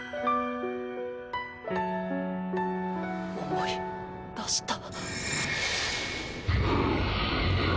思い出した。